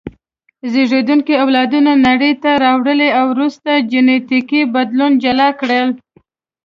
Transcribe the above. زېږوونکي اولادونه نړۍ ته راوړي او وروسته جینټیکي بدلون جلا کړل.